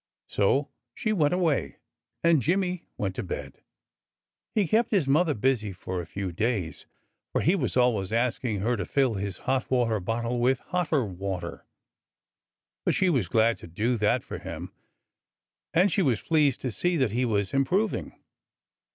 So she went away. And Jimmy went to bed. He kept his mother busy for a few days, for he was always asking her to fill his hot water bottle with hotter water. But she was glad to do that for him. And she was pleased to see that he was improving.